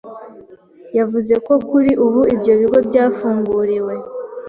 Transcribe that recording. Yavuze ko kuri ubu ibyo bigo byafunguriwe